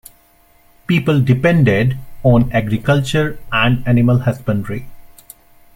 People depended on agriculture and animal husbandry.